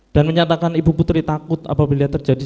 dan menyatakan ibu putri takut apabila terjadi